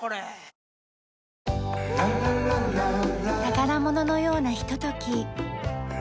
宝物のようなひととき。